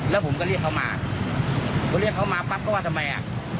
แล้วผมก็เรียกเขามาพอเรียกเขามาปั๊บก็ว่าทำไมอ่ะ